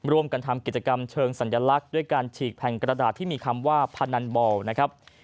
ร่วมกันทำกิจกรรมเชิงสัญลักษณ์ด้วยการฉีกแผ่นกระดาษที่มีคำว่าพนันบอลนะครับ